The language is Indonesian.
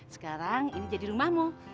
sekarang ini jadi rumahmu